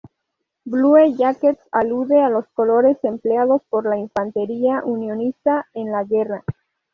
Blue Jackets alude a los colores empleados por la infantería unionista en la Guerra.